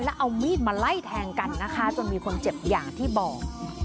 แล้วเอามีดมาไล่แทงกันนะคะจนมีคนเจ็บอย่างที่บอก